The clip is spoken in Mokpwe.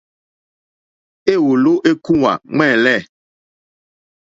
Éwòló ékúwà ɱwɛ̂lɛ̂.